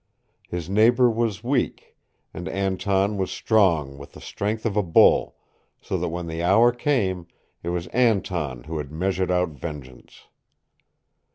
His neighbor was weak, and Anton was strong with the strength of a bull, so that when the hour came, it was Anton who had measured out vengeance.